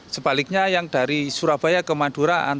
sebaliknya yang dari surabaya ke madura ada tiga ribu